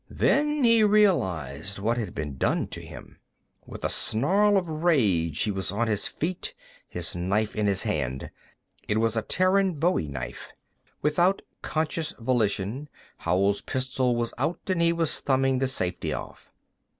Then he realized what had been done to him. With a snarl of rage, he was on his feet, his knife in his hand. It was a Terran bowie knife. Without conscious volition, Howell's pistol was out and he was thumbing the safety off.